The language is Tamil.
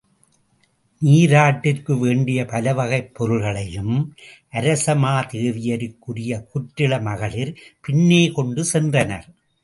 நீராட்டிற்கு வேண்டிய பல வகைப் பொருள்களையும் அரசமாதேவியருக்குரிய குற்றிள மகளிர் பின்னே கொண்டு சென்றனர்.